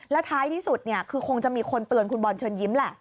แล้วท้ายที่สุดคือคงจะมีคนเตือนคุณบอลเชิญยิ้มแหละ